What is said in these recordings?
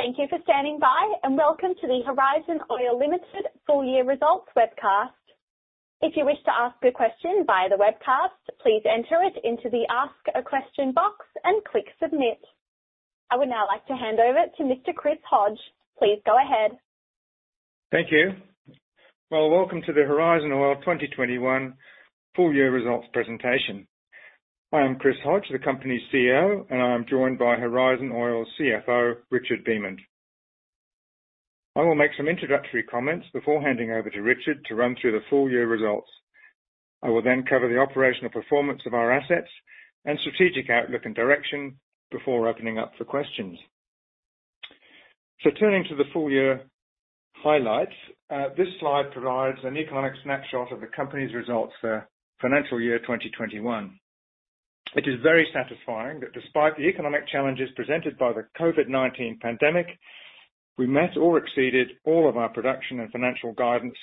Thank you for standing by, and welcome to the Horizon Oil Limited Full Year Results webcast. If you wish to ask a question via the webcast, please enter it into the Ask a Question box and click Submit. I would now like to hand over to Mr. Chris Hodge. Please go ahead. Thank you. Well, welcome to the Horizon Oil 2021 full-year results presentation. I am Chris Hodge, the company's CEO, and I am joined by Horizon Oil CFO, Richard Beament. I will make some introductory comments before handing over to Richard to run through the full-year results. I will cover the operational performance of our assets and strategic outlook and direction before opening up for questions. Turning to the full-year highlights. This slide provides an economic snapshot of the company's results for financial year 2021. It is very satisfying that despite the economic challenges presented by the COVID-19 pandemic, we met or exceeded all of our production and financial guidance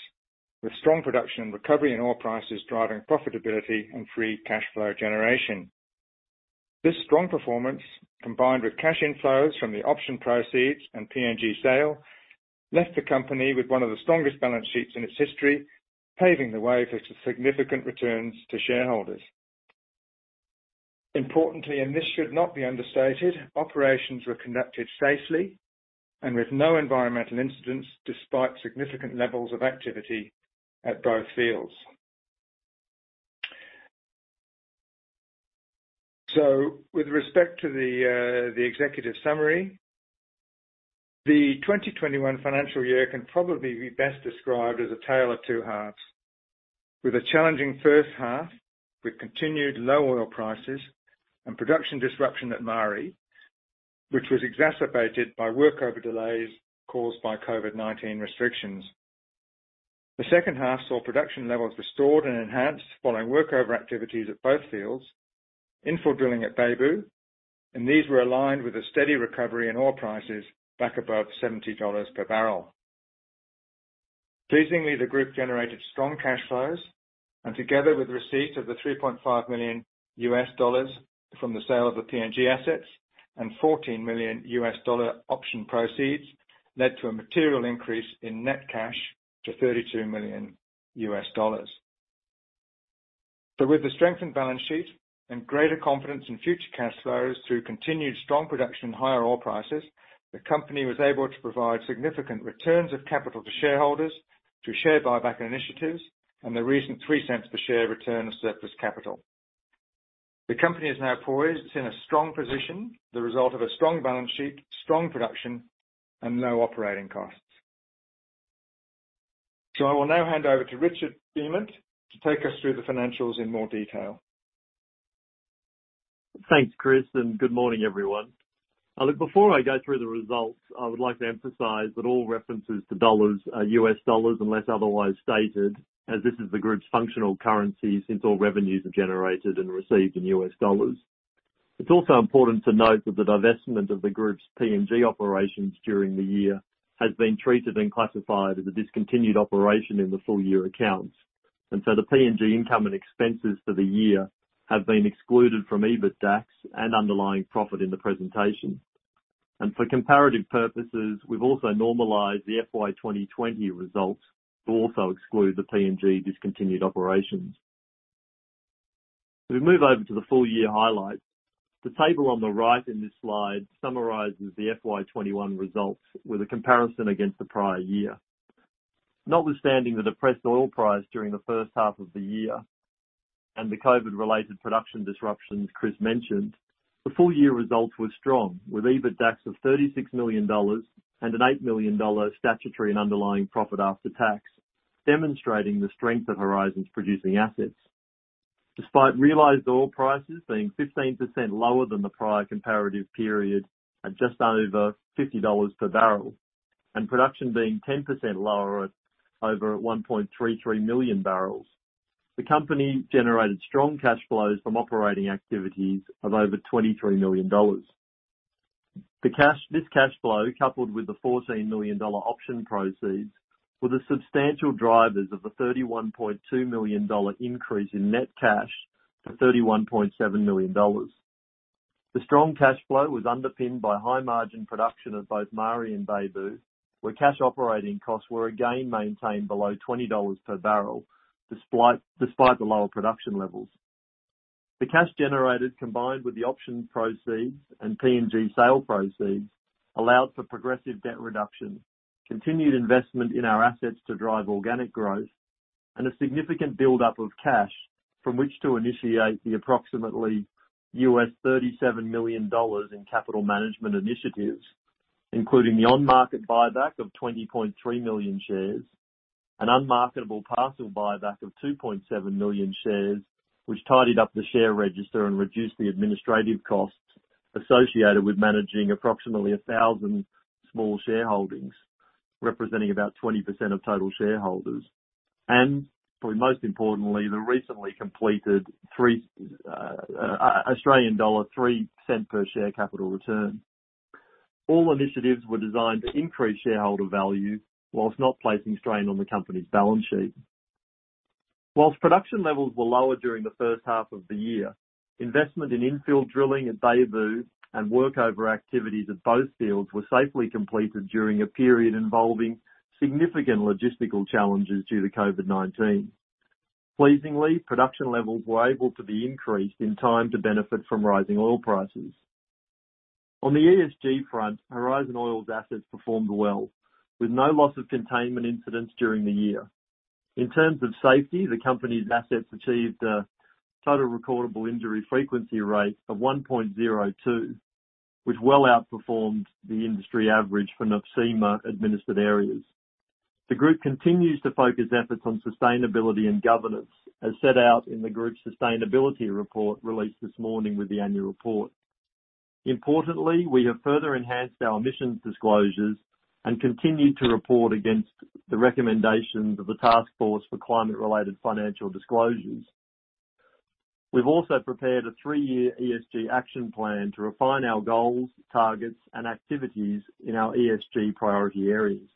with strong production and recovery in oil prices, driving profitability and free cash flow generation. This strong performance, combined with cash inflows from the option proceeds and PNG sale, left the company with one of the strongest balance sheets in its history, paving the way for significant returns to shareholders. Importantly, this should not be understated, operations were conducted safely and with no environmental incidents despite significant levels of activity at both fields. With respect to the executive summary, the 2021 financial year can probably be best described as a tale of two halves, with a challenging first half with continued low oil prices and production disruption at Maari, which was exacerbated by workover delays caused by COVID-19 restrictions. The second half saw production levels restored and enhanced following workover activities at both fields, infill drilling at Beibu, and these were aligned with a steady recovery in oil prices back above $70 per bbl. Pleasingly, the group generated strong cash flows and together with receipt of the $3.5 million from the sale of the PNG assets and $14 million option proceeds, led to a material increase in net cash to $32 million. With the strengthened balance sheet and greater confidence in future cash flows through continued strong production and higher oil prices, the company was able to provide significant returns of capital to shareholders through share buyback initiatives and the recent 0.03 per share return of surplus capital. The company is now poised and is in a strong position, the result of a strong balance sheet, strong production, and low operating costs. I will now hand over to Richard Beament to take us through the financials in more detail. Thanks, Chris. Good morning, everyone. Look, before I go through the results, I would like to emphasize that all references to dollars are US dollars unless otherwise stated, as this is the group's functional currency, since all revenues are generated and received in US dollars. It's also important to note that the divestment of the group's PNG operations during the year has been treated and classified as a discontinued operation in the full-year accounts. The PNG income and expenses for the year have been excluded from EBITDAX and underlying profit in the presentation. For comparative purposes, we've also normalized the FY 2020 results to also exclude the PNG discontinued operations. If we move over to the full-year highlights, the table on the right in this slide summarizes the FY 2021 results with a comparison against the prior year. Notwithstanding the depressed oil price during the first half of the year and the COVID-19-related production disruptions Chris mentioned, the full-year results were strong, with EBITDAX of $36 million and an $8 million statutory and underlying profit after tax, demonstrating the strength of Horizon's producing assets. Despite realized oil prices being 15% lower than the prior comparative period at just over $50 per bbl, and production being 10% lower at over 1.33 million bbl, the company generated strong cash flows from operating activities of over $23 million. This cash flow, coupled with the $14 million option proceeds, were the substantial drivers of the $31.2 million increase in net cash to $31.7 million. The strong cash flow was underpinned by high-margin production at both Maari and Beibu, where cash operating costs were again maintained below $20 per bbl despite the lower production levels. The cash generated, combined with the option proceeds and PNG sale proceeds, allowed for progressive debt reduction, continued investment in our assets to drive organic growth, and a significant buildup of cash from which to initiate the approximately $37 million in capital management initiatives, including the on-market buyback of 20.3 million shares, an unmarketable parcel buyback of 2.7 million shares, which tidied up the share register and reduced the administrative costs associated with managing approximately 1,000 small shareholdings, representing about 20% of total shareholders. Probably most importantly, the recently completed 0.03 per share capital return. All initiatives were designed to increase shareholder value whilst not placing strain on the company's balance sheet. Whilst production levels were lower during the first half of the year, investment in infill drilling at Beibu and workover activities at both fields were safely completed during a period involving significant logistical challenges due to COVID-19. Pleasingly, production levels were able to be increased in time to benefit from rising oil prices. On the ESG front, Horizon Oil's assets performed well, with no loss of containment incidents during the year. In terms of safety, the company's assets achieved a total recordable injury frequency rate of $1.02, which well outperformed the industry average for NOPSEMA-administered areas. The group continues to focus efforts on sustainability and governance, as set out in the group's sustainability report released this morning with the annual report. Importantly, we have further enhanced our emissions disclosures and continued to report against the recommendations of the Task Force on Climate-related Financial Disclosures. We've also prepared a three-year ESG action plan to refine our goals, targets, and activities in our ESG priority areas.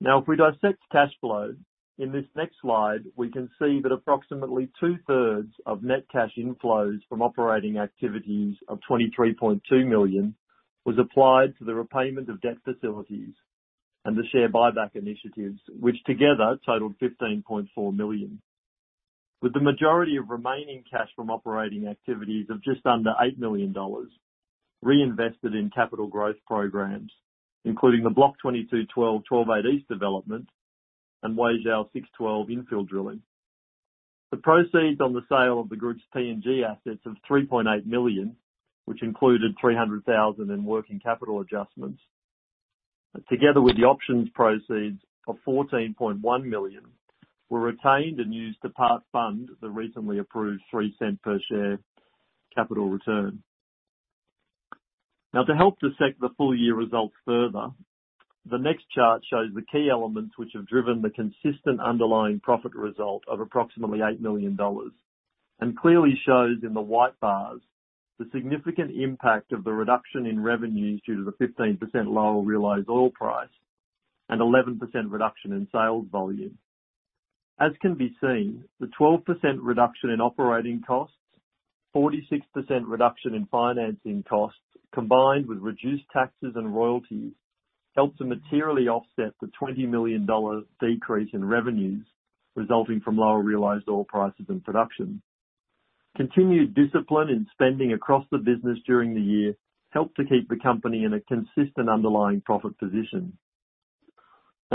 Now, if we dissect cash flow, in this next slide, we can see that approximately two-thirds of net cash inflows from operating activities of $23.2 million was applied to the repayment of debt facilities and the share buyback initiatives, which together totaled $15.4 million. With the majority of remaining cash from operating activities of just under $8 million reinvested in capital growth programs, including the Block 22/12 WZ12-8E development and Weizhou 6-12 infill drilling. The proceeds on the sale of the group's PNG assets of $3.8 million, which included $300,000 in working capital adjustments, and together with the options proceeds of $14.1 million, were retained and used to part fund the recently approved $0.03 per share capital return. To help dissect the full-year results further, the next chart shows the key elements which have driven the consistent underlying profit result of approximately $8 million, and clearly shows in the white bars the significant impact of the reduction in revenues due to the 15% lower realized oil price and 11% reduction in sales volume. As can be seen, the 12% reduction in operating costs, 46% reduction in financing costs, combined with reduced taxes and royalties, helped to materially offset the $20 million decrease in revenues resulting from lower realized oil prices and production. Continued discipline in spending across the business during the year helped to keep the company in a consistent underlying profit position.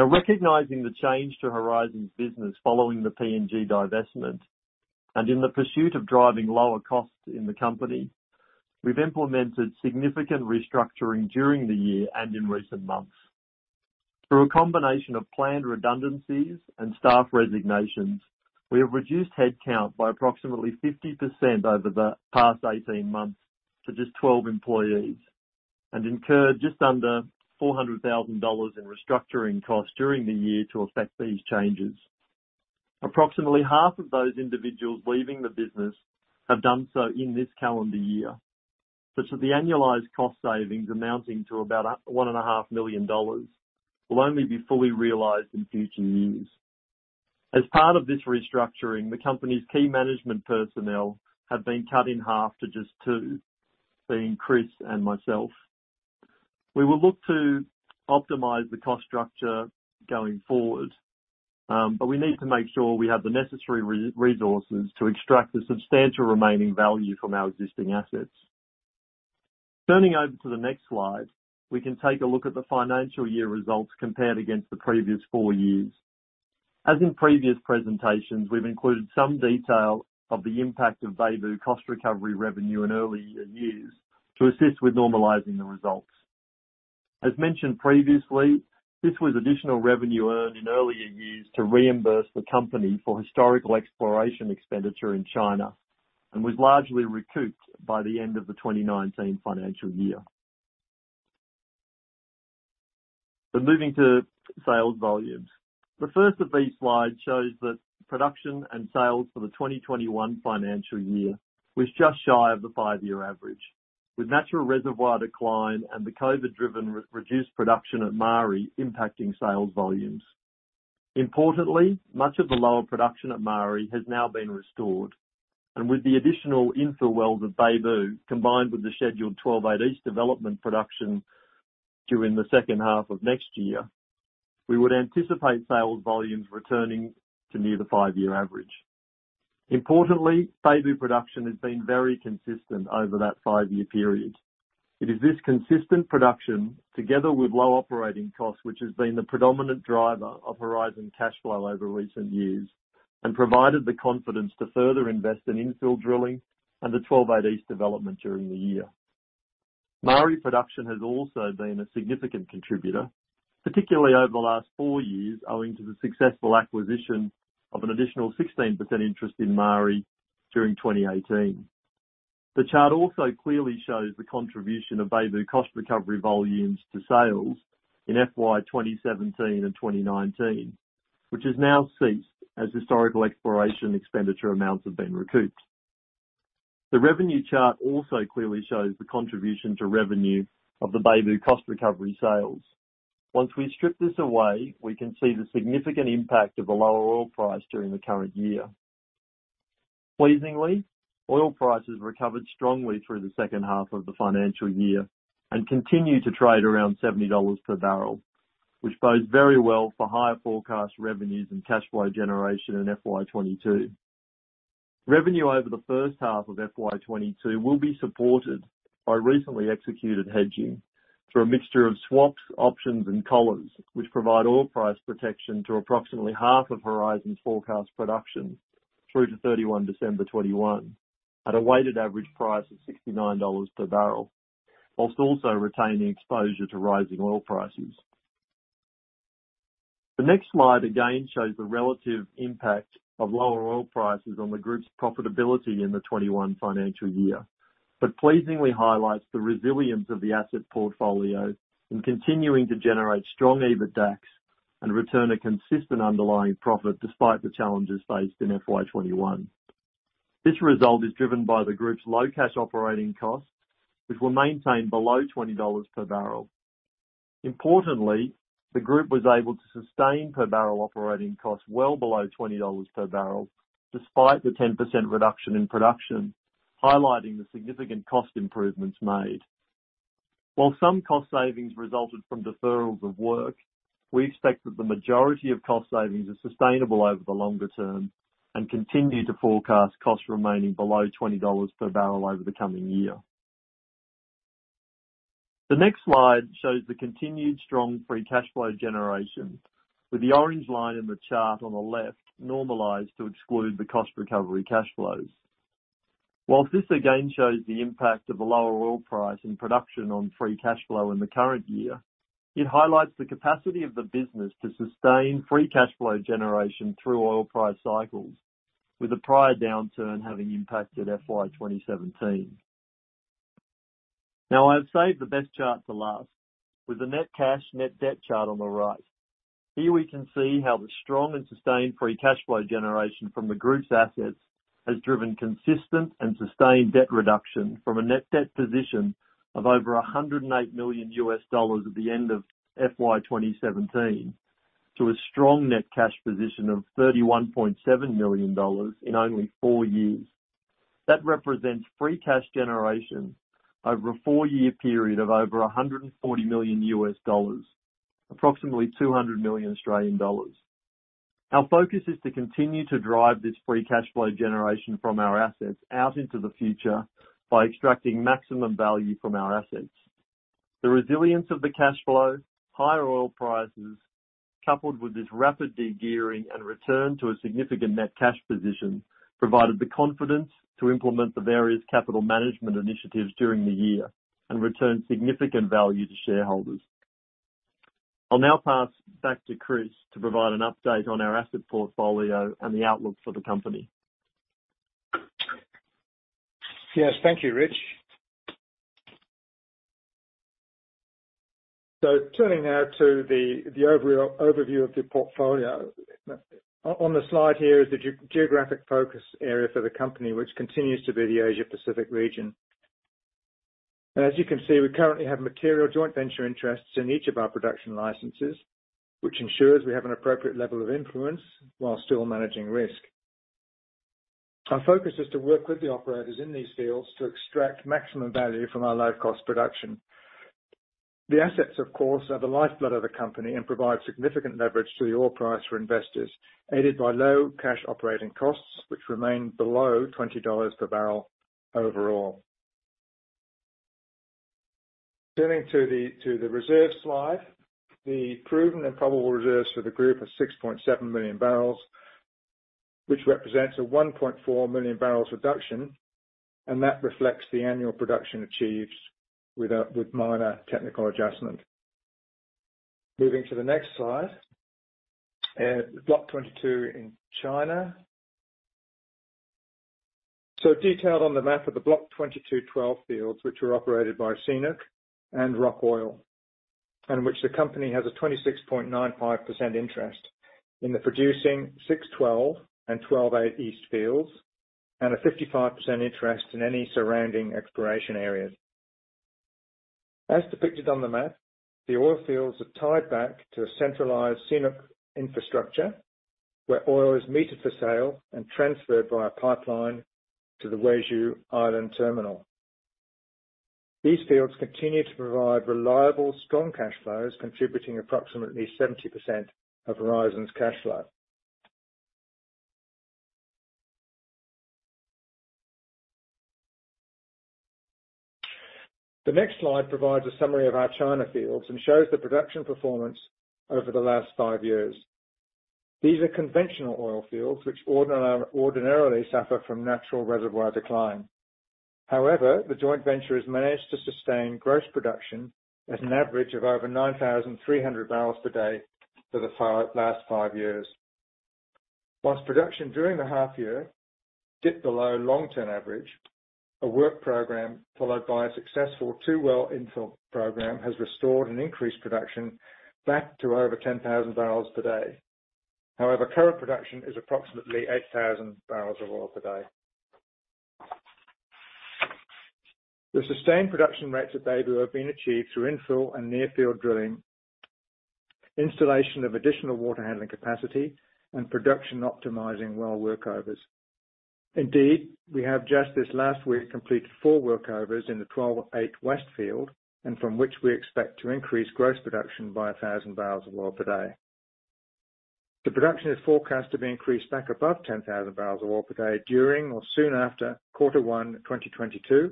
Recognizing the change to Horizon's business following the PNG divestment, and in the pursuit of driving lower costs in the company, we've implemented significant restructuring during the year and in recent months. Through a combination of planned redundancies and staff resignations, we have reduced headcount by approximately 50% over the past 18 months to just 12 employees, and incurred just under $400,000 in restructuring costs during the year to effect these changes. Approximately half of those individuals leaving the business have done so in this calendar year, but so the annualized cost savings amounting to $1.5 million will only be fully realized in future years. As part of this restructuring, the company's key management personnel have been cut in half to just two, being Chris and myself. We will look to optimize the cost structure going forward, but we need to make sure we have the necessary resources to extract the substantial remaining value from our existing assets. Turning over to the next slide, we can take a look at the financial year results compared against the previous four years. As in previous presentations, we've included some detail of the impact of Beibu cost recovery revenue in earlier years to assist with normalizing the results. As mentioned previously, this was additional revenue earned in earlier years to reimburse the company for historical exploration expenditure in China, and was largely recouped by the end of the 2019 financial year. Moving to sales volumes. The first of these slides shows that production and sales for the FY 2021 was just shy of the five-year average, with natural reservoir decline and the COVID-19-driven reduced production at Maari impacting sales volumes. Importantly, much of the lower production at Maari has now been restored, and with the additional infill wells at Beibu, combined with the scheduled WZ12-8E development production during the second half of next year, we would anticipate sales volumes returning to near the five-year average. Importantly, Beibu production has been very consistent over that five-year period. It is this consistent production, together with low operating costs, which has been the predominant driver of Horizon Oil cash flow over recent years and provided the confidence to further invest in infill drilling and the WZ12-8E development during the year. Maari production has also been a significant contributor, particularly over the last four years, owing to the successful acquisition of an additional 16% interest in Maari during 2018. The chart also clearly shows the contribution of Beibu cost recovery volumes to sales in FY 2017 and 2019, which has now ceased as historical exploration expenditure amounts have been recouped. The revenue chart also clearly shows the contribution to revenue of the Beibu cost recovery sales. Once we strip this away, we can see the significant impact of the lower oil price during the current year. Pleasingly, oil prices recovered strongly through the second half of the financial year and continue to trade around $70 per bbl, which bodes very well for higher forecast revenues and cash flow generation in FY 2022. Revenue over the first half of FY 2022 will be supported by recently executed hedging through a mixture of swaps, options and collars, which provide oil price protection to approximately half of Horizon's forecast production through to 31 December, 2021, at a weighted average price of $69 per bbl, while also retaining exposure to rising oil prices. The next slide again shows the relative impact of lower oil prices on the group's profitability in the 2021 financial year, but pleasingly highlights the resilience of the asset portfolio in continuing to generate strong EBITDAX and return a consistent underlying profit despite the challenges faced in FY 2021. This result is driven by the group's low cash operating costs, which were maintained below $20 per bbl. Importantly, the group was able to sustain per bbl operating costs well below $20 per bbl despite the 10% reduction in production, highlighting the significant cost improvements made. While some cost savings resulted from deferrals of work, we expect that the majority of cost savings are sustainable over the longer term and continue to forecast costs remaining below $20 per bbl over the coming year. The next slide shows the continued strong free cash flow generation, with the orange line in the chart on the left normalized to exclude the cost recovery cash flows. Whilst this again shows the impact of the lower oil price and production on free cash flow in the current year, it highlights the capacity of the business to sustain free cash flow generation through oil price cycles, with the prior downturn having impacted FY 2017. I've saved the best chart for last, with the net cash net debt chart on the right. Here we can see how the strong and sustained free cash flow generation from the group's assets has driven consistent and sustained debt reduction from a net debt position of over $108 million at the end of FY 2017, to a strong net cash position of $31.7 million in only four years. That represents free cash generation over a four-year period of over $140 million, approximately AUD 200 million. Our focus is to continue to drive this free cash flow generation from our assets out into the future by extracting maximum value from our assets. The resilience of the cash flow, higher oil prices, coupled with this rapid de-gearing and return to a significant net cash position, provided the confidence to implement the various capital management initiatives during the year and return significant value to shareholders. I'll now pass back to Chris to provide an update on our asset portfolio and the outlook for the company. Yes. Thank you, Rich. Turning now to the overview of the portfolio. On the slide here is the geographic focus area for the company, which continues to be the Asia-Pacific region. As you can see, we currently have material joint venture interests in each of our production licenses, which ensures we have an appropriate level of influence while still managing risk. Our focus is to work with the operators in these fields to extract maximum value from our low-cost production. The assets, of course, are the lifeblood of the company and provide significant leverage to the oil price for investors, aided by low cash operating costs, which remain below $20 per bbl overall. Turning to the reserve slide. The proven and probable reserves for the group are 6.7 MMb, which represents a 1.4 MMbl reduction, and that reflects the annual production achieved with minor technical adjustment. Moving to the next slide. Block 22 in China. Detailed on the map are the Block 22/12 fields, which are operated by CNOOC and Roc Oil, and which the company has a 26.95% interest in the producing 6-12 and WZ12-8E fields, and a 55% interest in any surrounding exploration areas. As depicted on the map, the oil fields are tied back to a centralized CNOOC infrastructure, where oil is metered for sale and transferred via pipeline to the Weizhou Island terminal. These fields continue to provide reliable, strong cash flows, contributing approximately 70% of Horizon's cash flow. The next slide provides a summary of our China fields and shows the production performance over the last five years. These are conventional oil fields which ordinarily suffer from natural reservoir decline. However, the joint venture has managed to sustain gross production at an average of over 9,300 bpd for the last five years. Whilst production during the half year dipped below long-term average, a work program followed by a successful two well infill program has restored and increased production back to over 10,000 bpd. However, current production is approximately 8,000 bpd. The sustained production rates at Beibu have been achieved through infill and near field drilling, installation of additional water handling capacity, and production optimizing well workovers. Indeed, we have just this last week completed four workovers in the 12-8 West field, and from which we expect to increase gross production by 1,000 bpd. The production is forecast to be increased back above 10,000 bpd during or soon after quarter one 2022,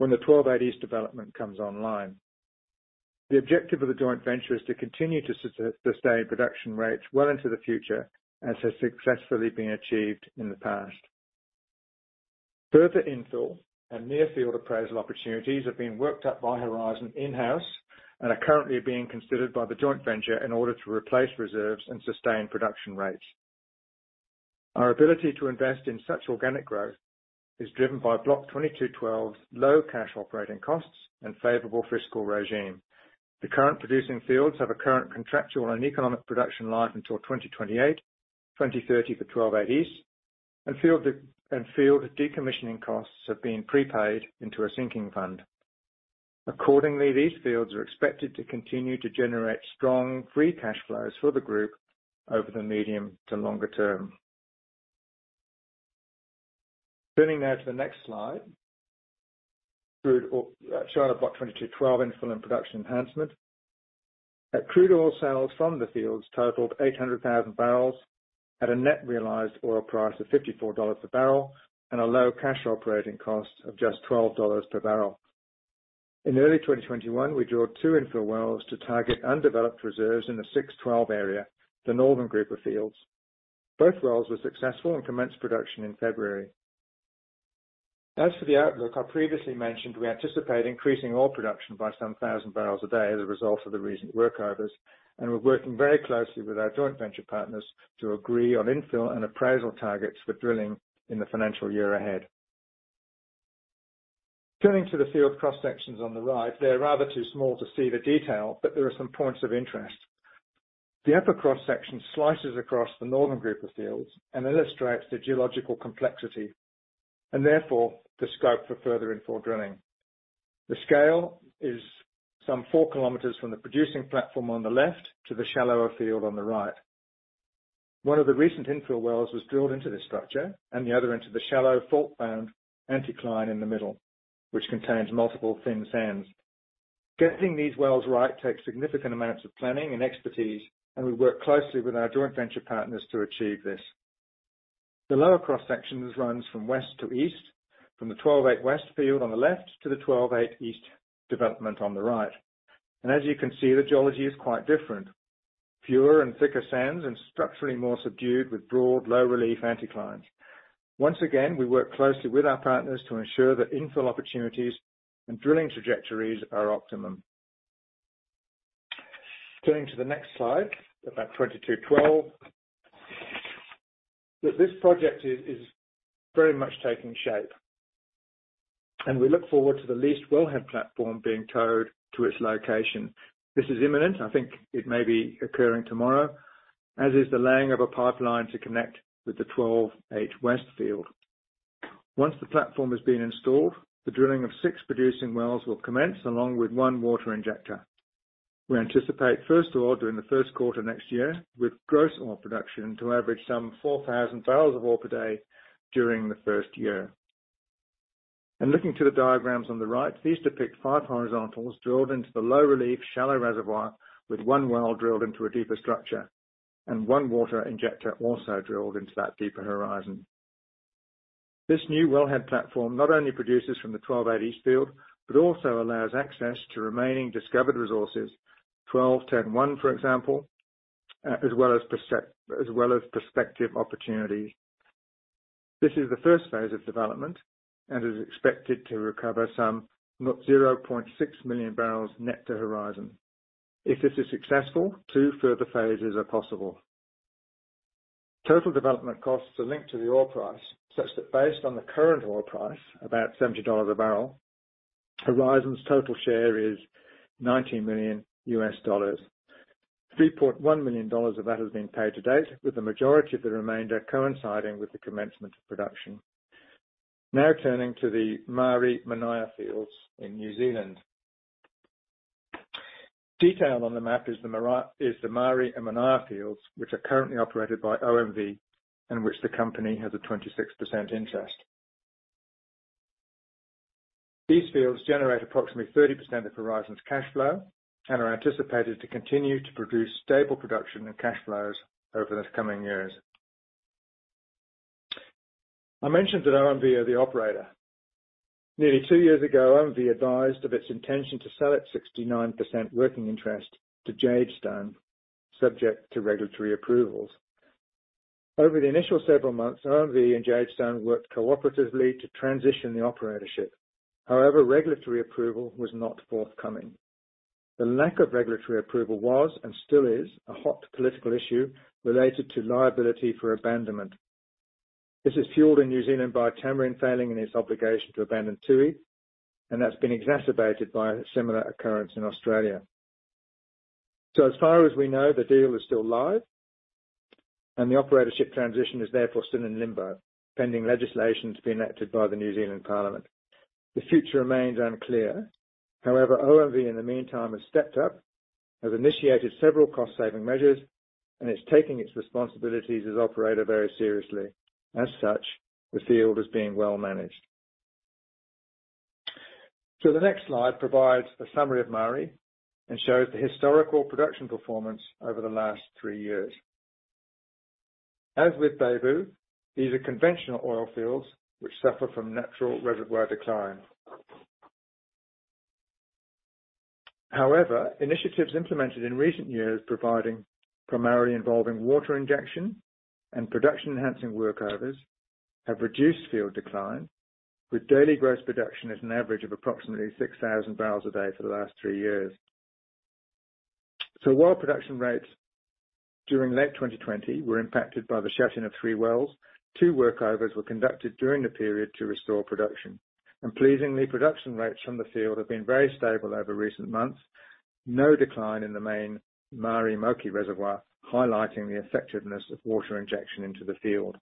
when the WZ12-8E development comes online. The objective of the joint venture is to continue to sustain production rates well into the future, as has successfully been achieved in the past. Further infill and near field appraisal opportunities are being worked up by Horizon Oil in-house and are currently being considered by the joint venture in order to replace reserves and sustain production rates. Our ability to invest in such organic growth is driven by Block 22/12's low cash operating costs and favorable fiscal regime. The current producing fields have a current contractual and economic production life until 2028, 2030 for WZ12-8E, and field decommissioning costs have been prepaid into a sinking fund. Accordingly, these fields are expected to continue to generate strong free cash flows for the group over the medium to longer term. Turning now to the next slide. Through Block 22/12 infill and production enhancement, crude oil sales from the fields totaled 800,000 bbl at a net realized oil price of $54 per bbl and a low cash operating cost of just $12 per bbl. In early 2021, we drilled two infill wells to target undeveloped reserves in the 6-12 area, the northern group of fields. Both wells were successful and commenced production in February. As for the outlook, I previously mentioned we anticipate increasing oil production by some 1,000 bbl a day as a result of the recent workovers, and we're working very closely with our joint venture partners to agree on infill and appraisal targets for drilling in the financial year ahead. Turning to the field cross-sections on the right, they're rather too small to see the detail, but there are some points of interest. The upper cross-section slices across the northern group of fields and illustrates the geological complexity, and therefore the scope for further infill drilling. The scale is some four kilometers from the producing platform on the left to the shallower field on the right. One of the recent infill wells was drilled into this structure, and the other into the shallow fault-bound anticline in the middle, which contains multiple thin sands. Getting these wells right takes significant amounts of planning and expertise, and we work closely with our joint venture partners to achieve this. The lower cross-section runs from west to east from the 12-8 West field on the left to the 12-8 East development on the right. As you can see, the geology is quite different. Fewer and thicker sands, and structurally more subdued with broad low relief anticlines. Once again, we work closely with our partners to ensure that infill opportunities and drilling trajectories are optimum. Turning to the next slide about 22/12. This project is very much taking shape, and we look forward to the leased wellhead platform being towed to its location. This is imminent. I think it may be occurring tomorrow, as is the laying of a pipeline to connect with the WZ12-8E. Once the platform has been installed, the drilling of six producing wells will commence, along with one water injector. We anticipate first oil during the first quarter next year, with gross oil production to average some 4,000 bpd during the first year. Looking to the diagrams on the right, these depict five horizontals drilled into the low relief shallow reservoir, with one well drilled into a deeper structure and one water injector also drilled into that deeper horizon. This new wellhead platform not only produces from the WZ12-8E, but also allows access to remaining discovered resources, 12-10-1, for example, as well as prospective opportunities. This is the first phase of development and is expected to recover some 0.6 MMb net to Horizon. If this is successful, two further phases are possible. Total development costs are linked to the oil price, such that based on the current oil price, about $70 a bbl, Horizon's total share is $19 million. $3.1 million of that has been paid to date, with the majority of the remainder coinciding with the commencement of production. Turning to the Maari/Manaia fields in New Zealand. Detail on the map is the Maari/Manaia fields, which are currently operated by OMV, in which the company has a 26% interest. These fields generate approximately 30% of Horizon's cash flow and are anticipated to continue to produce stable production and cash flows over the coming years. I mentioned that OMV are the operator. Nearly two years ago, OMV advised of its intention to sell its 69% working interest to Jadestone, subject to regulatory approvals. Over the initial several months, OMV and Jadestone worked cooperatively to transition the operatorship. Regulatory approval was not forthcoming. The lack of regulatory approval was, and still is, a hot political issue related to liability for abandonment. This is fueled in New Zealand by Tamarind failing in its obligation to abandon Tui, and that's been exacerbated by a similar occurrence in Australia. As far as we know, the deal is still live, and the operatorship transition is therefore still in limbo, pending legislation to be enacted by the New Zealand Parliament. The future remains unclear. However, OMV in the meantime, has stepped up, has initiated several cost-saving measures, and is taking its responsibilities as operator very seriously. As such, the field is being well managed. The next slide provides a summary of Maari and shows the historical production performance over the last three years. As with Beibu, these are conventional oil fields which suffer from natural reservoir decline. However, initiatives implemented in recent years providing primarily involving water injection and production-enhancing workovers have reduced field decline. With daily gross production is an average of approximately 6,000 bbl a day for the last three years. While production rates during late 2020 were impacted by the shutting of three wells, two workovers were conducted during the period to restore production. Pleasingly, production rates from the field have been very stable over recent months. No decline in the main Maari Moki reservoir, highlighting the effectiveness of water injection into the field.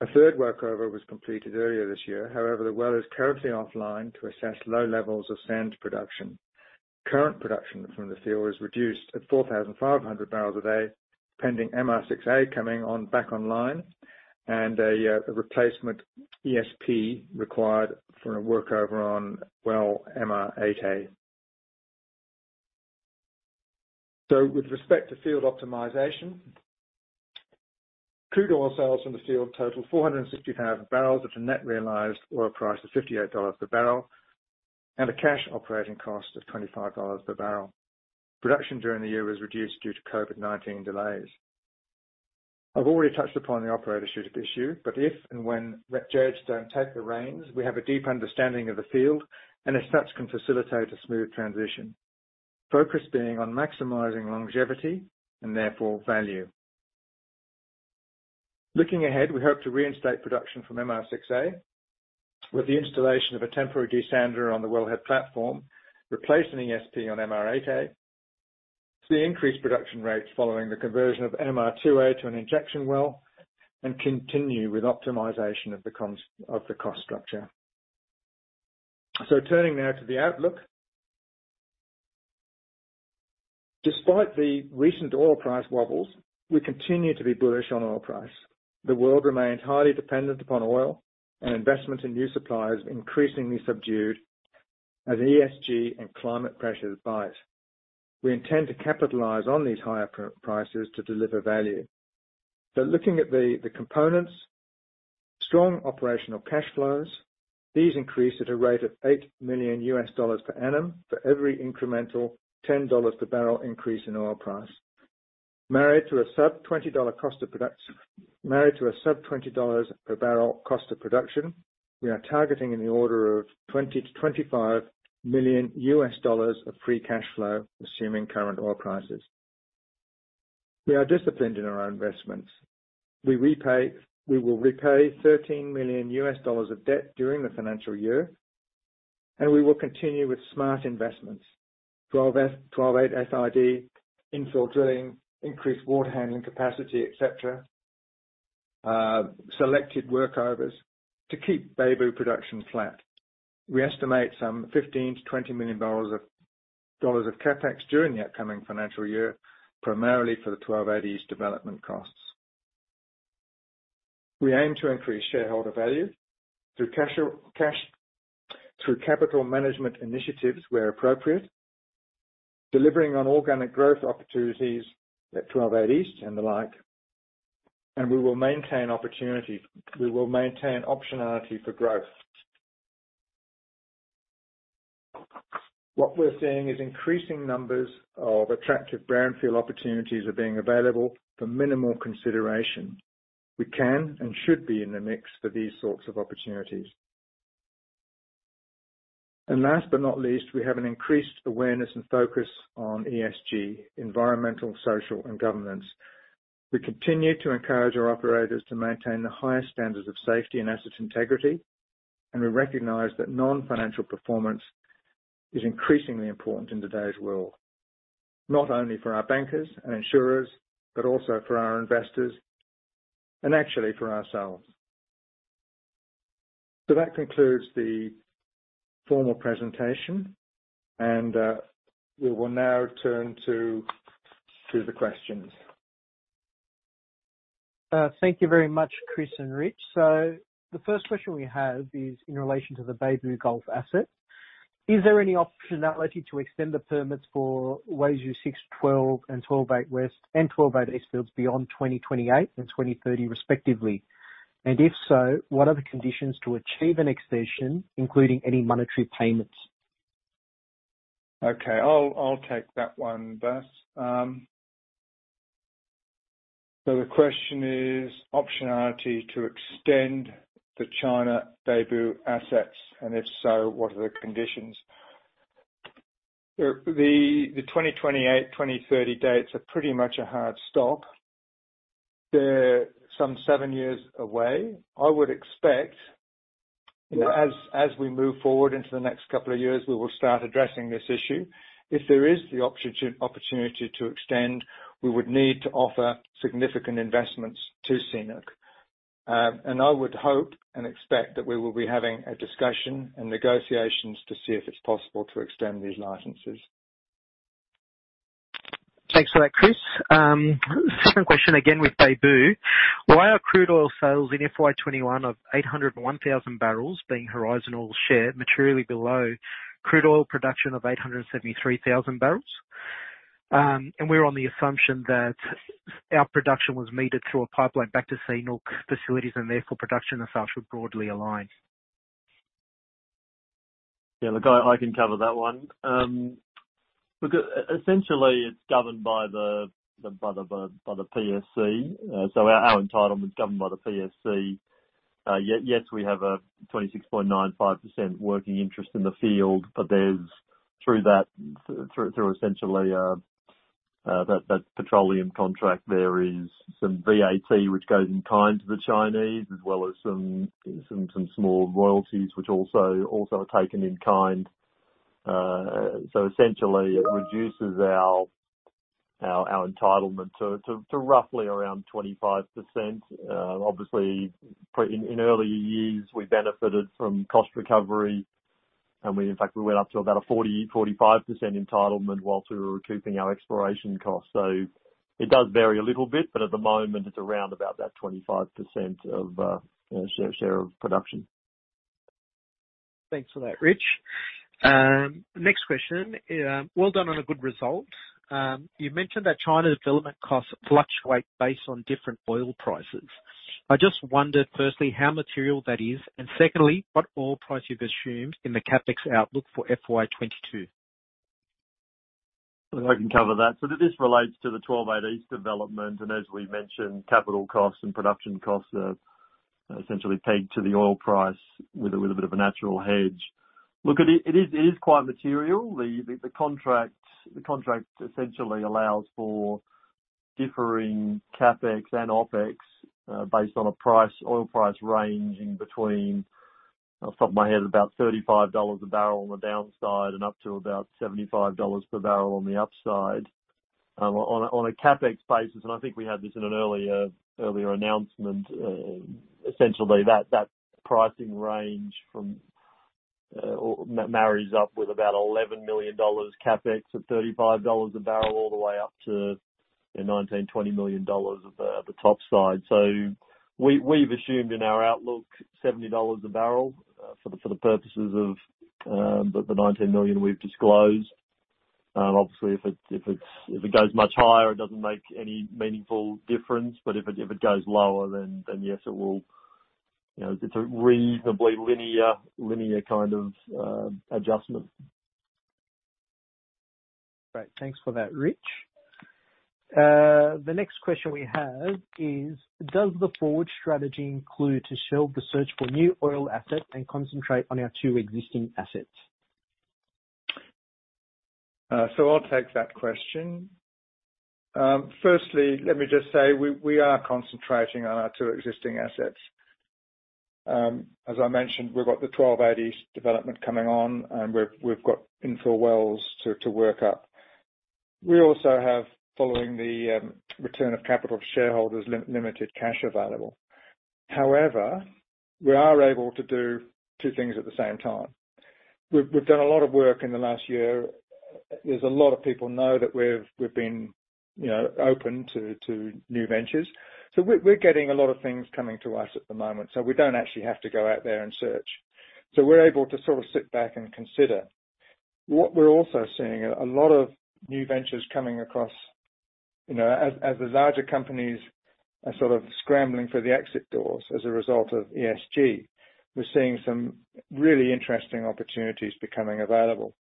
A third workover was completed earlier this year. The well is currently offline to assess low levels of sand production. Current production from the field is reduced at 4,500 bbl a day, pending MR6A coming back online and a replacement ESP required for a workover on well MR8A. With respect to field optimization, crude oil sales from the field totaled 460,000 bbl at a net realized oil price of $58 per bbl and a cash operating cost of $25 per bbl. Production during the year was reduced due to COVID-19 delays. If and when Jadestone don't take the reins, we have a deep understanding of the field and as such can facilitate a smooth transition, focus being on maximizing longevity and therefore value. Looking ahead, we hope to reinstate production from MR6A with the installation of a temporary desander on the wellhead platform, replacing ESP on MR8A. We hope to see increased production rates following the conversion of MR2A to an injection well and continue with optimization of the cost structure. Turning now to the outlook. Despite the recent oil price wobbles, we continue to be bullish on oil price. The world remains highly dependent upon oil and investment in new supply is increasingly subdued as ESG and climate pressures bite. We intend to capitalize on these higher prices to deliver value. Looking at the components, strong operational cash flows, these increase at a rate of $8 million per annum for every incremental $10 per bbl increase in oil price. Married to a sub $20 per bbl cost of production, we are targeting in the order of $25 million of free cash flow, assuming current oil prices. We are disciplined in our investments. We will repay $13 million of debt during the financial year, and we will continue with smart investments. 12-8 SID, infill drilling, increased water handling capacity, et cetera. Selected workovers to keep Beibu production flat. We estimate some $15 million-$20 million of CapEx during the upcoming financial year, primarily for the 12-8E's development costs. We aim to increase shareholder value through capital management initiatives where appropriate, delivering on organic growth opportunities at WZ12-8E and the like. We will maintain optionality for growth. What we're seeing is increasing numbers of attractive brownfield opportunities are being available for minimal consideration. We can and should be in the mix for these sorts of opportunities. Last but not least, we have an increased awareness and focus on ESG, environmental, social, and governance. We continue to encourage our operators to maintain the highest standards of safety and assets integrity. We recognize that non-financial performance is increasingly important in today's world, not only for our bankers and insurers, but also for our investors and actually for ourselves. That concludes the formal presentation. We will now turn to the questions. Thank you very much, Chris and Rich. The first question we have is in relation to the Beibu Gulf asset. Is there any optionality to extend the permits for Weizhou 6-12 and 12-8 West and 12-8 East fields beyond 2028 and 2030 respectively? If so, what are the conditions to achieve an extension, including any monetary payments? Okay. I'll take that one. [inaudible] The question is optionality to extend the China Beibu assets, and if so, what are the conditions? The 2028, 2030 dates are pretty much a hard stop. They're some seven years away. I would expect, as we move forward into the next couple of years, we will start addressing this issue. If there is the opportunity to extend, we would need to offer significant investments to CNOOC. I would hope and expect that we will be having a discussion and negotiations to see if it's possible to extend these licenses. Thanks for that, Chris. Second question again with Beibu. Why are crude oil sales in FY 2021 of 801,000 bbl, being Horizon Oil share, materially below crude oil production of 873,000 bbl? We're on the assumption that our production was metered through a pipeline back to CNOOC facilities and therefore production and such were broadly aligned. Yeah, look, I can cover that one. Look, essentially, it's governed by the PSC. Our entitlement is governed by the PSC. Yes, we have a 26.95% working interest in the field, but through, essentially, that petroleum contract, there is some VAT which goes in kind to the Chinese as well as some small royalties which also are taken in kind. Essentially, it reduces our entitlement to roughly around 25%. Obviously, in earlier years, we benefited from cost recovery, and in fact, we went up to about a 40%-45% entitlement whilst we were recouping our exploration costs. It does vary a little bit, but at the moment, it's around about that 25% of share of production. Thanks for that, Rich. Next question. Well done on a good result. You mentioned that China's development costs fluctuate based on different oil prices. I just wondered, firstly, how material that is, and secondly, what oil price you've assumed in the CapEx outlook for FY 2022. I can cover that. This relates to the 12-8 East development, and as we mentioned, capital costs and production costs are essentially pegged to the oil price with a bit of a natural hedge. Look, it is quite material. The contract essentially allows for differing CapEx and OpEx based on an oil price range in between, off the top of my head, about $35 a bbl on the downside and up to about $75 per bbl on the upside. On a CapEx basis, and I think we had this in an earlier announcement, essentially that pricing range marries up with about $11 million CapEx at $35 a bbl, all the way up to $19 million-$20 million at the top side. We've assumed in our outlook $70 a bbl for the purposes of the $19 million we've disclosed. Obviously, if it goes much higher, it doesn't make any meaningful difference. If it goes lower, then yes, it's a reasonably linear kind of adjustment. Great. Thanks for that, Rich. The next question we have is, does the forward strategy include to shelve the search for new oil assets and concentrate on our two existing assets? I'll take that question. Firstly, let me just say, we are concentrating on our two existing assets. As I mentioned, we've got the WZ12-8E development coming on, and we've got infill wells to work up. We also have, following the return of capital to shareholders, limited cash available. However, we are able to do two things at the same time. We've done a lot of work in the last year. As a lot of people know that we've been open to new ventures. We're getting a lot of things coming to us at the moment. We don't actually have to go out there and search. We're able to sort of sit back and consider. What we're also seeing, a lot of new ventures coming across as the larger companies are sort of scrambling for the exit doors as a result of ESG. We're seeing some really interesting opportunities becoming available.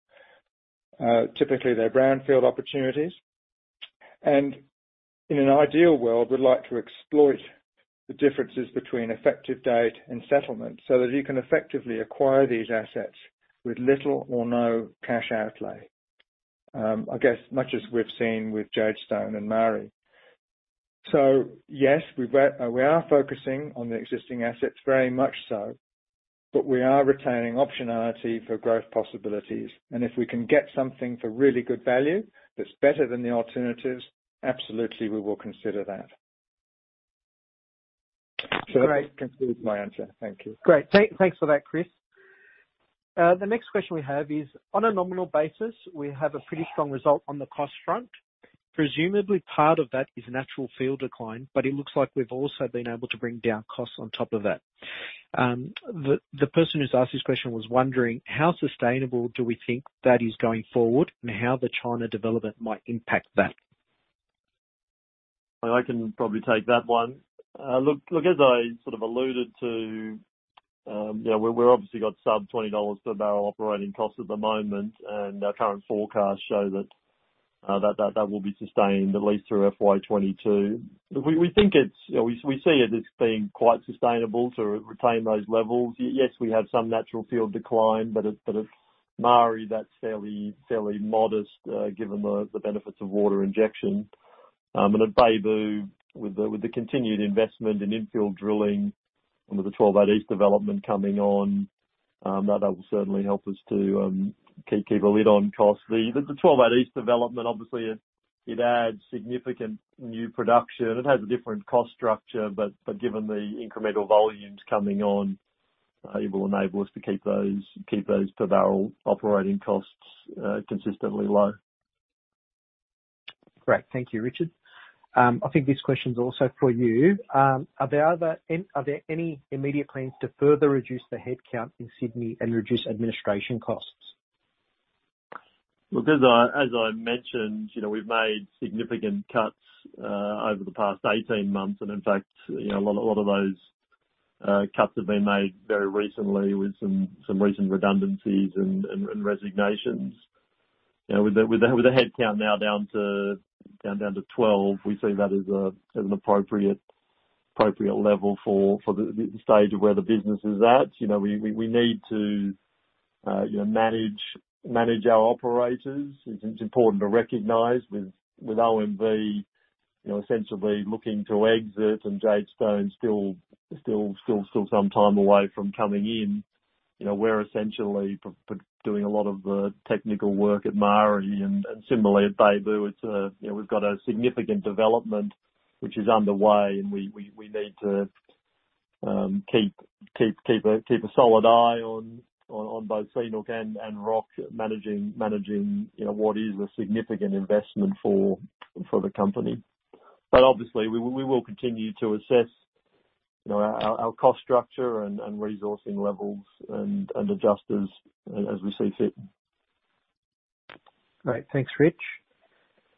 Typically, they're brownfield opportunities. In an ideal world, we'd like to exploit the differences between effective date and settlement so that you can effectively acquire these assets with little or no cash outlay. I guess much as we've seen with Jadestone and Maari. Yes, we are focusing on the existing assets, very much so, but we are retaining optionality for growth possibilities. If we can get something for really good value that's better than the alternatives, absolutely, we will consider that. Great. That concludes my answer. Thank you. Great. Thanks for that, Chris. The next question we have is, on a nominal basis, we have a pretty strong result on the cost front. Presumably, part of that is natural field decline, but it looks like we've also been able to bring down costs on top of that. The person who's asked this question was wondering, how sustainable do we think that is going forward and how the China development might impact that? I can probably take that one. As I sort of alluded to, we've obviously got sub $20 per bbl operating cost at the moment, our current forecasts show that that will be sustained at least through FY 2022. We see it as being quite sustainable to retain those levels. We have some natural field decline, at Maari that's fairly modest given the benefits of water injection. At Beibu, with the continued investment in infill drilling and with the WZ12-8E development coming on, that will certainly help us to keep a lid on costs. The WZ12-8E development, obviously, it adds significant new production. It has a different cost structure, given the incremental volumes coming on, it will enable us to keep those per-barrel operating costs consistently low. Great. Thank you, Richard. I think this question's also for you. Are there any immediate plans to further reduce the headcount in Sydney and reduce administration costs? Look, as I mentioned, we've made significant cuts over the past 18 months and, in fact, a lot of those cuts have been made very recently with some recent redundancies and resignations. With the headcount now down to 12, we see that as an appropriate level for the stage of where the business is at. We need to manage our operators. It's important to recognize with OMV essentially looking to exit and Jadestone still some time away from coming in. We're essentially doing a lot of the technical work at Maari and similarly at Beibu. We've got a significant development which is underway, and we need to keep a solid eye on both CNOOC and Roc managing what is a significant investment for the company. Obviously, we will continue to assess our cost structure and resourcing levels and adjust as we see fit. Great. Thanks, Rich.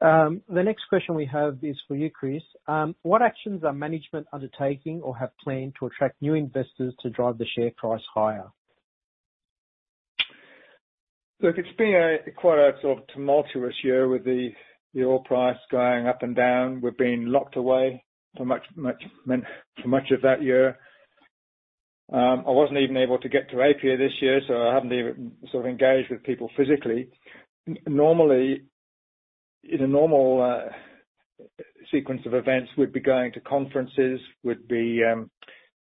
The next question we have is for you, Chris. What actions are management undertaking or have planned to attract new investors to drive the share price higher? Look, it's been quite a sort of tumultuous year with the oil price going up and down. We've been locked away for much of that year. I wasn't even able to get to APPEA this year, so I haven't even sort of engaged with people physically. Normally, in a normal sequence of events, we'd be going to conferences, we'd be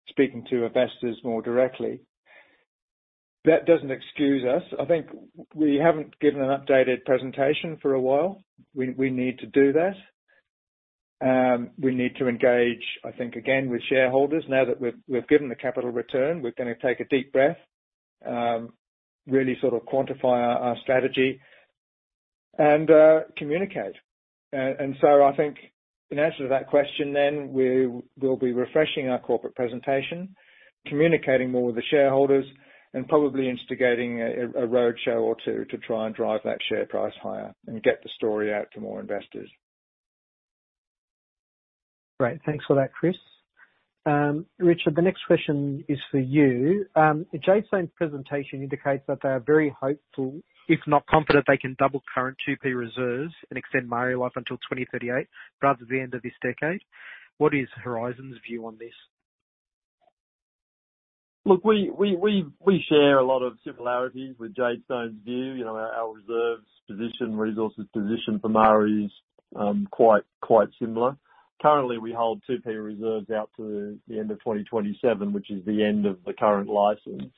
speaking to investors more directly. That doesn't excuse us. I think we haven't given an updated presentation for a while. We need to do that. We need to engage, I think, again, with shareholders. Now that we've given the capital return, we're going to take a deep breath, really sort of quantify our strategy, and communicate. I think in answer to that question then, we'll be refreshing our corporate presentation, communicating more with the shareholders, and probably instigating a roadshow or 2 to try and drive that share price higher and get the story out to more investors. Great. Thanks for that, Chris. Richard, the next question is for you. Jadestone's presentation indicates that they are very hopeful, if not confident, they can double current 2P reserves and extend Maari life until 2038, rather than the end of this decade. What is Horizon's view on this? Look, we share a lot of similarities with Jadestone's view. Our reserves position, resources position for Maari is quite similar. Currently, we hold 2P reserves out to the end of 2027, which is the end of the current license.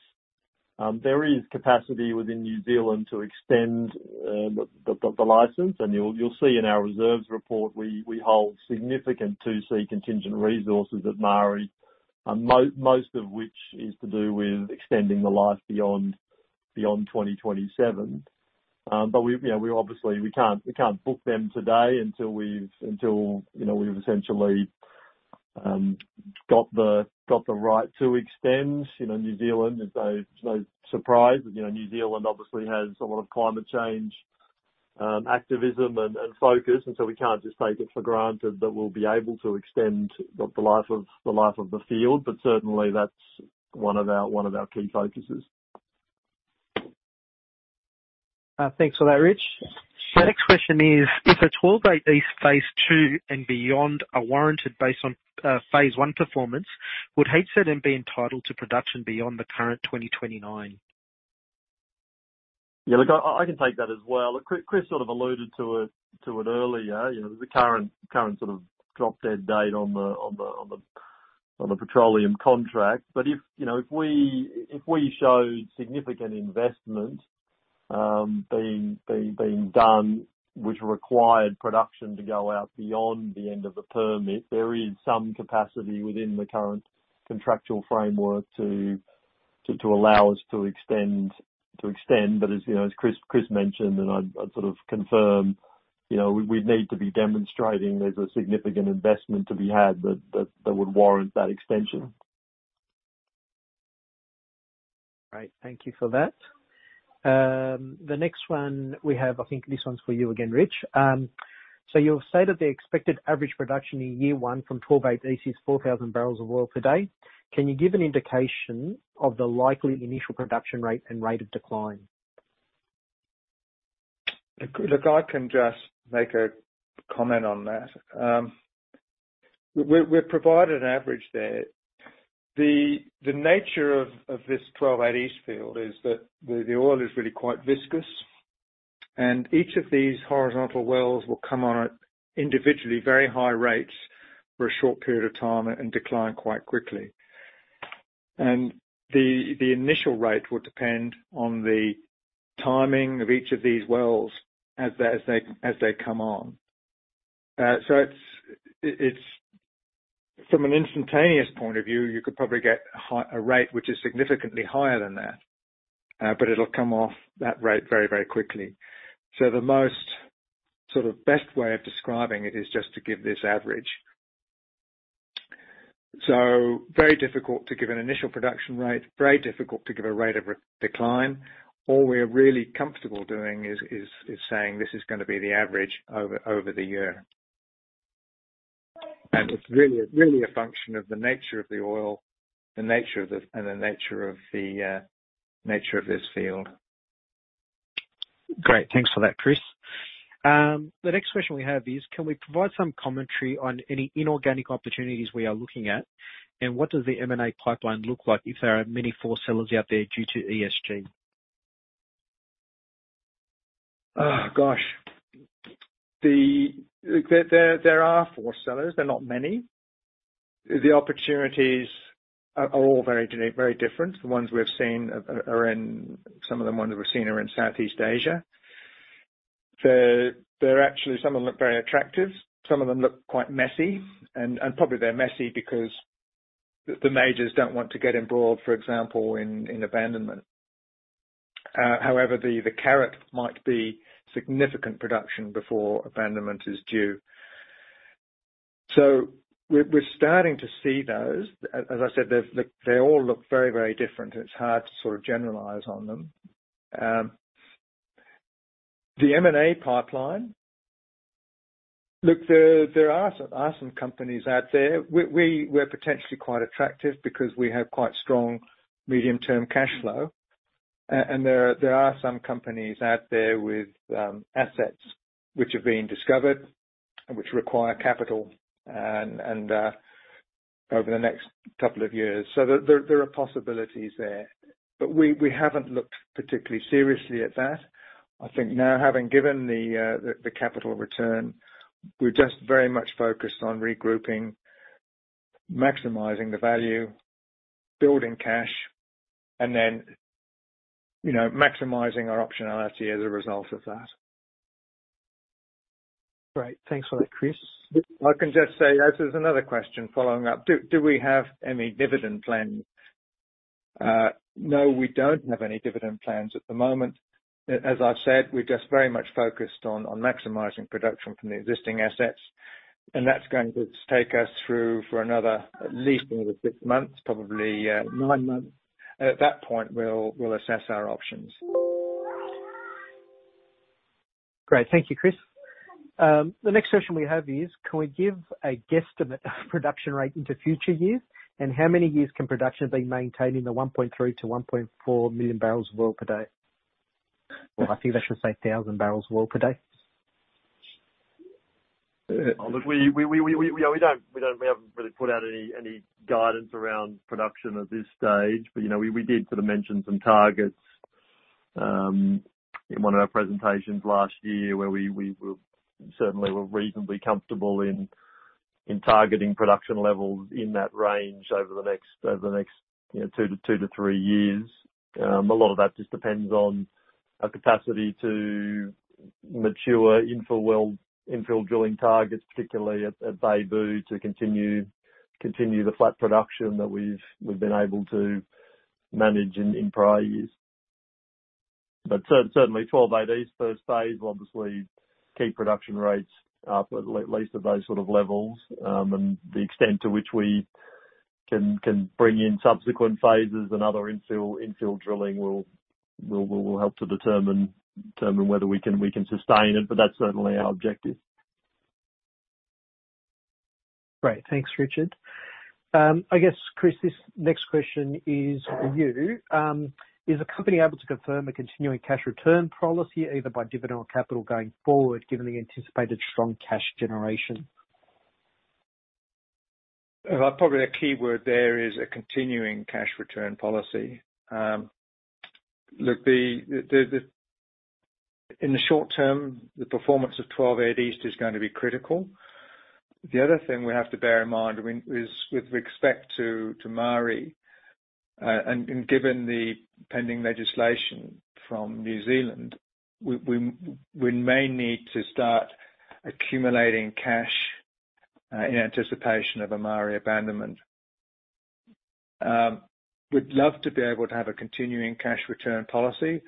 There is capacity within New Zealand to extend the license, and you'll see in our reserves report, we hold significant 2C contingent resources at Maari, most of which is to do with extending the life beyond 2027. Obviously, we can't book them today until we've essentially got the right to extend. No surprise, New Zealand obviously has a lot of climate change activism and focus, and so we can't just take it for granted that we'll be able to extend the life of the field. Certainly, that's one of our key focuses. Thanks for that, Rich. The next question is: If a 12-8 East phase II and beyond are warranted based on phase I performance, would HZN be entitled to production beyond the current 2029? Yeah, look, I can take that as well. Look, Chris sort of alluded to it earlier. If we show significant investment being done, which required production to go out beyond the end of the permit, there is some capacity within the current contractual framework to allow us to extend. As Chris mentioned, and I'd sort of confirm, we'd need to be demonstrating there's a significant investment to be had that would warrant that extension. Great. Thank you for that. The next one we have, I think this one's for you again, Rich. You'll say that the expected average production in year one from WZ12-8E is 4,000 bpd. Can you give an indication of the likely initial production rate and rate of decline? I can just make a comment on that. We've provided an average there. The nature of this WZ12-8E field is that the oil is really quite viscous, each of these horizontal wells will come on at individually very high rates for a short period of time and decline quite quickly. The initial rate will depend on the timing of each of these wells as they come on. From an instantaneous point of view, you could probably get a rate which is significantly higher than that, but it'll come off that rate very, very quickly. The most sort of best way of describing it is just to give this average. Very difficult to give an initial production rate. Very difficult to give a rate of decline. All we're really comfortable doing is saying this is going to be the average over the year. It's really a function of the nature of the oil and the nature of this field. Great. Thanks for that, Chris. The next question we have is, can we provide some commentary on any inorganic opportunities we are looking at? What does the M&A pipeline look like if there are many forced sellers out there due to ESG? Oh, gosh. There are forced sellers. They're not many. The opportunities are all very different. The ones we've seen are in Southeast Asia. Some of them look very attractive. Some of them look quite messy. Probably they're messy because the majors don't want to get involved, for example, in abandonment. However, the carrot might be significant production before abandonment is due. We're starting to see those. As I said, they all look very different. It's hard to sort of generalize on them. The M&A pipeline. Look, there are some companies out there. We're potentially quite attractive because we have quite strong medium-term cash flow. There are some companies out there with assets which are being discovered and which require capital over the next couple of years. There are possibilities there, but we haven't looked particularly seriously at that. I think now, having given the capital return, we're just very much focused on regrouping, maximizing the value, building cash, and then maximizing our optionality as a result of that. Great. Thanks for that, Chris. I can just say, as there's another question following up. Do we have any dividend plans? No, we don't have any dividend plans at the moment. As I've said, we're just very much focused on maximizing production from the existing assets, and that's going to take us through for another, at least another six months, probably nine months. At that point, we'll assess our options. Great. Thank you, Chris. The next question we have is, can we give a guesstimate production rate into future years? How many years can production be maintained in the 1.3 to 1.4 MMbpd? Or I think that should say 1,000 bpd. Look, we haven't really put out any guidance around production at this stage. We did sort of mention some targets, in one of our presentations last year where we certainly were reasonably comfortable in targeting production levels in that range over the next two to three years. A lot of that just depends on our capacity to mature infill well, infill drilling targets, particularly at Beibu, to continue the flat production that we've been able to manage in prior years. Certainly WZ12-8E first phase will obviously keep production rates up at least at those sort of levels. The extent to which we can bring in subsequent phases and other infill drilling will help to determine whether we can sustain it, but that's certainly our objective. Great. Thanks, Richard. I guess, Chris, this next question is for you. Is the company able to confirm a continuing cash return policy either by dividend or capital going forward given the anticipated strong cash generation? Probably a key word there is a continuing cash return policy. Look, in the short term, the performance of WZ12-8E is going to be critical. The other thing we have to bear in mind is with respect to Maari, and given the pending legislation from New Zealand, we may need to start accumulating cash in anticipation of a Maari abandonment. We'd love to be able to have a continuing cash return policy,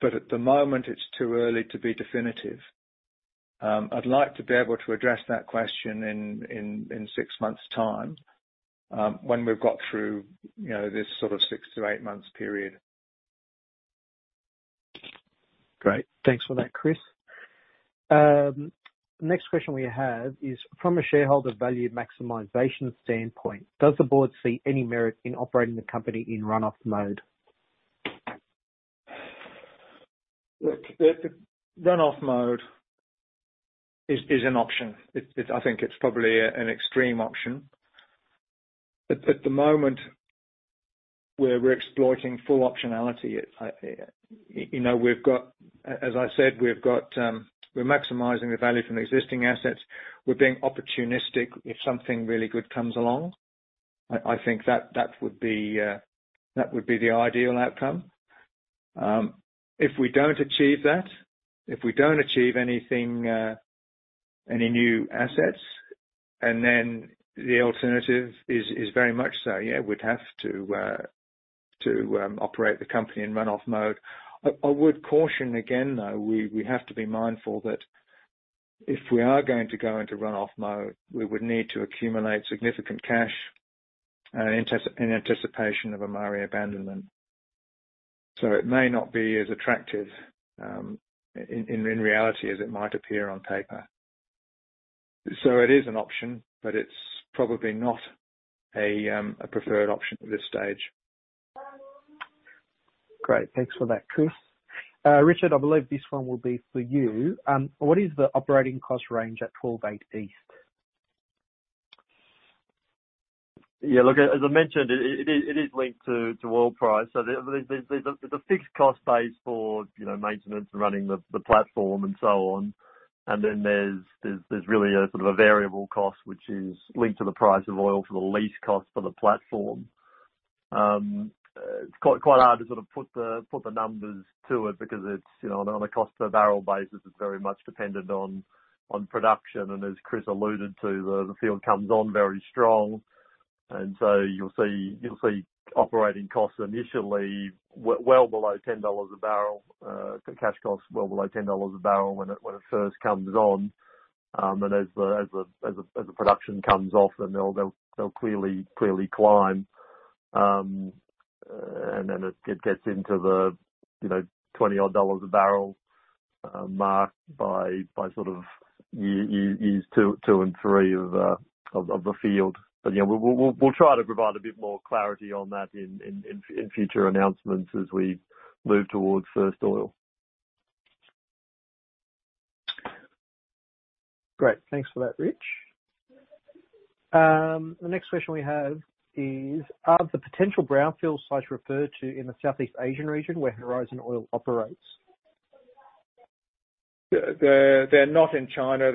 but at the moment it's too early to be definitive. I'd like to be able to address that question in six months' time, when we've got through this sort of six to eight months period. Great. Thanks for that, Chris. Next question we have is, from a shareholder value maximization standpoint, does the board see any merit in operating the company in runoff mode? Look, the runoff mode is an option. At the moment, we're exploiting full optionality. As I said, we're maximizing the value from the existing assets. We're being opportunistic if something really good comes along. I think that would be the ideal outcome. If we don't achieve that, if we don't achieve any new assets, then the alternative is very much so, we'd have to operate the company in runoff mode. I would caution again, though, we have to be mindful that if we are going to go into runoff mode, we would need to accumulate significant cash in anticipation of a Maari abandonment. It may not be as attractive in reality as it might appear on paper. It is an option, but it's probably not a preferred option at this stage. Great. Thanks for that, Chris. Richard, I believe this one will be for you. What is the operating cost range at WZ12-8E? Look, as I mentioned, it is linked to oil price. There's a fixed cost base for maintenance and running the platform and so on. Then there's really a sort of a variable cost, which is linked to the price of oil for the lease cost for the platform. It's quite hard to sort of put the numbers to it because on a cost per barrel basis, it's very much dependent on production. As Chris alluded to, the field comes on very strong, and so you'll see operating costs initially well below $10 a bbl, cash costs well below $10 a bbl when it first comes on. As the production comes off, then they'll clearly climb. Then it gets into the $20-odd a bbl mark by sort of years two and three of the field. Yeah, we'll try to provide a bit more clarity on that in future announcements as we move towards first oil. Great. Thanks for that, Rich. The next question we have is, are the potential brownfield sites referred to in the Southeast Asian region where Horizon Oil operates? They're not in China.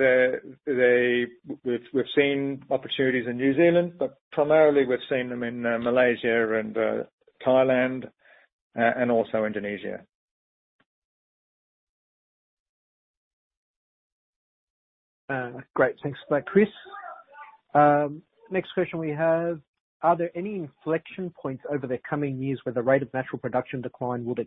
We've seen opportunities in New Zealand, but primarily we've seen them in Malaysia and Thailand, and also Indonesia. Great. Thanks for that, Chris. Next question we have, are there any inflection points over the coming years where the rate of natural production decline would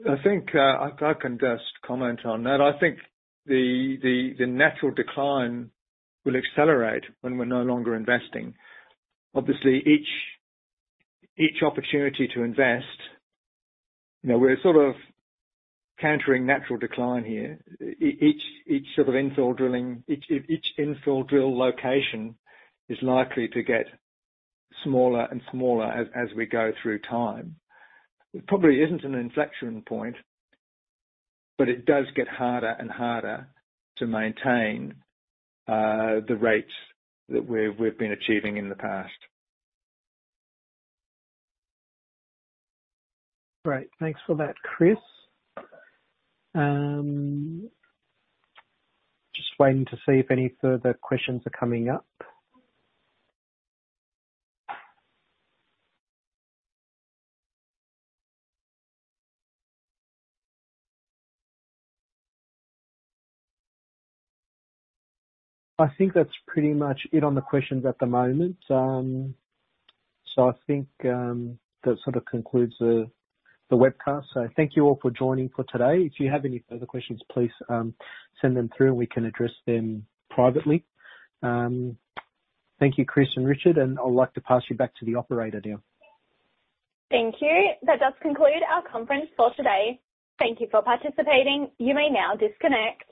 accelerate? I think I can just comment on that. I think the natural decline will accelerate when we're no longer investing. Obviously, each opportunity to invest, we're sort of countering natural decline here. Each infill drill location is likely to get smaller and smaller as we go through time. It probably isn't an inflection point, but it does get harder and harder to maintain the rates that we've been achieving in the past. Great. Thanks for that, Chris. Just waiting to see if any further questions are coming up. I think that's pretty much it on the questions at the moment. I think that sort of concludes the webcast. Thank you all for joining for today. If you have any further questions, please send them through and we can address them privately. Thank you, Chris and Richard, and I'd like to pass you back to the operator now. Thank you. That does conclude our conference for today. Thank you for participating. You may now disconnect.